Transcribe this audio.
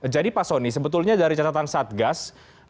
jadi pak soni sebetulnya dari catatan satgas